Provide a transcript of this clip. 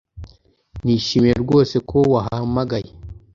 Nishimiye rwose ko wahamagaye